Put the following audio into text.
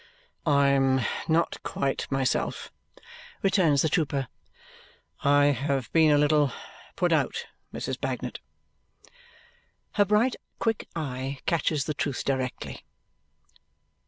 "I am not quite myself," returns the trooper; "I have been a little put out, Mrs. Bagnet." Her bright quick eye catches the truth directly.